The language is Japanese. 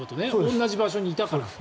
同じ場所にいたから。